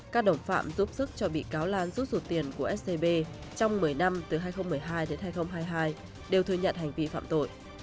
các đồng phạm giúp sức cho bị cáo lan rút ruột tiền của scb trong một mươi năm từ hai nghìn một mươi hai đến hai nghìn hai mươi hai đều thừa nhận hành vi phạm tội